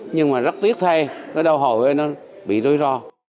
nhưng mà rất tiếc thay cái đau hồi nó bị rủi ro